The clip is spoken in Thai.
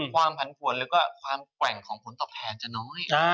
ความผันผวนแล้วก็ความแกว่งของผลตอบแทนจะน้อย